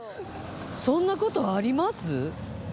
そんな事あります？